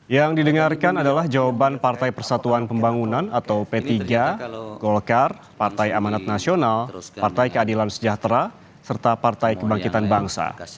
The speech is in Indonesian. yang didengarkan adalah jawaban partai persatuan pembangunan atau p tiga golkar partai amanat nasional partai keadilan sejahtera serta partai kebangkitan bangsa